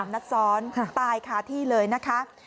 นัดซ้อนตายคาที่เลยนะคะ